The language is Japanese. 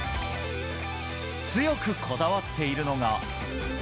強くこだわっているのが。